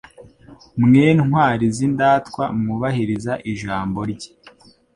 mwe ntwari z’indatwa mwubahiriza ijambo rye